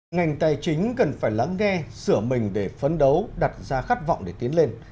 ngành tài chính cần phải lắng nghe sửa mình để phấn đấu đặt ra khát vọng để tiến lên